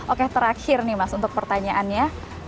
oke terakhir nih mas untuk pertanyaannya